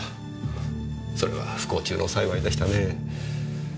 それは不幸中の幸いでしたね。